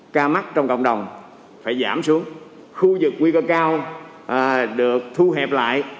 ca mắc trong cộng đồng phải giảm xuống khu vực nguy cơ cao được thu hẹp lại